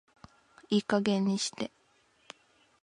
いい加減にして